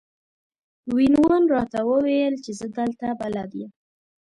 وین وون راته وویل چې زه دلته بلد یم.